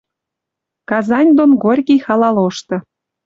Казань дон Горький хала лошты